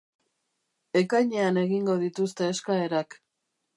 Ekainean egingo dituzte eskaerak.